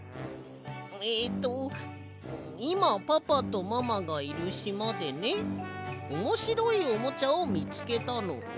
えっと「いまパパとママがいるしまでねおもしろいおもちゃをみつけたの。